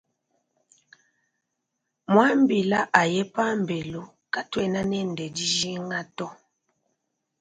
Muambila aye pambelu katuena nende dijinga to.